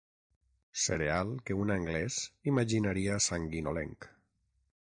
Cereal que un anglès imaginaria sanguinolenc.